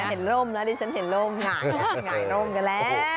เห็นร่มแล้วดิฉันเห็นร่มหงายแล้วหงายร่มกันแล้ว